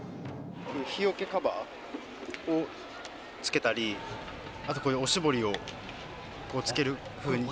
日よけカバーをつけたりおしぼりをつけるふうに。